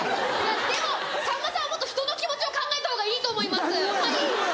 でもさんまさんはもっと人の気持ちを考えた方がいいと思います。